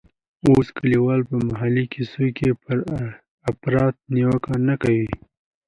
اوس کلیوال په محلي کیسو کې پر افراط نیوکې نه کوي.